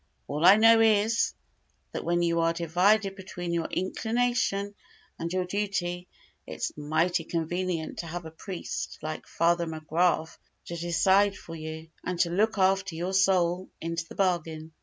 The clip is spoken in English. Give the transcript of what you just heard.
All I know is, that when you are divided between your inclination and your duty, it's mighty convenient to have a priest like Father McGrath to decide for you, and to look after your soul into the bargain."